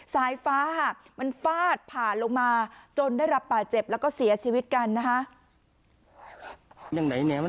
สายฟ้าค่ะมันฟาดผ่านลงมาจนได้รับบาดเจ็บแล้วก็เสียชีวิตกันนะคะ